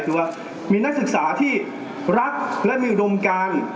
คือว่ามีนักศึกษาที่รักและมีอุดมการ